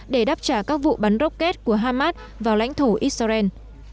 để đáp trả các vụ bắn rocket của hamas vào lãnh thổ israel